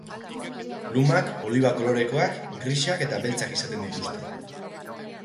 Lumak oliba kolorekoak, grisak eta beltzak izaten dituzte.